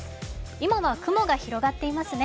今は雲が広がっていますね。